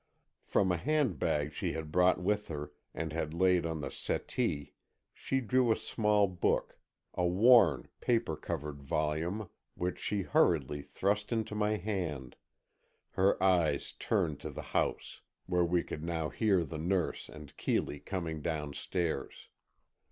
From a handbag she had brought with her and had laid on the settee she drew a small book, a worn, paper covered volume, which she hurriedly thrust into my hand, her eyes turned to the house, where we could now hear the nurse and Keeley coming downstairs.